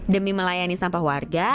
demi melayani sampah warga